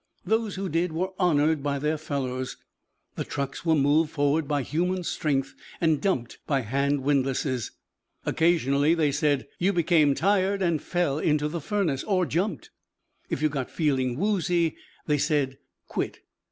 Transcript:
Those who did were honoured by their fellows. The trucks were moved forward by human strength and dumped by hand windlasses. Occasionally, they said, you became tired and fell into the furnace. Or jumped. If you got feeling woozy, they said, quit.